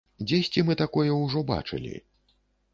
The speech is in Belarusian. Дзесьці мы такое ўжо бачылі.